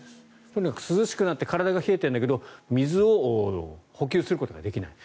とにかく涼しくなって体は冷えているんだけど水を補給することができない。